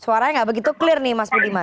suaranya nggak begitu clear nih mas budiman